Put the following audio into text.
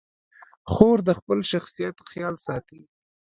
خور د خپل شخصیت خیال ساتي.